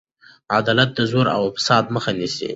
عدالت د زور او فساد مخه نیسي.